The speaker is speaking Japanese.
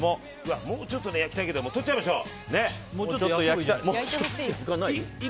もうちょっと焼きたいけど取っちゃいましょう。